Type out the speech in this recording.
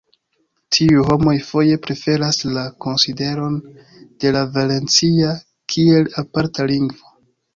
Tiuj homoj foje preferas la konsideron de la valencia kiel aparta lingvo.